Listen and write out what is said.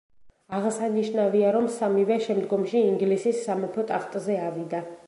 აღსანიშნავია, რომ სამივე შემდგომში ინგლისის სამეფო ტახტზე ავიდა.